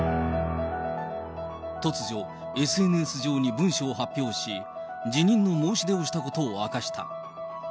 突如、ＳＮＳ上に文書を発表し、辞任の申し出をしたことを明かした。